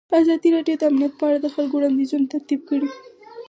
ازادي راډیو د امنیت په اړه د خلکو وړاندیزونه ترتیب کړي.